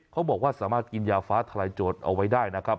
เขาบอกว่าสามารถกินยาฟ้าทลายโจทย์เอาไว้ได้นะครับ